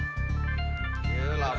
gelap kok burungnya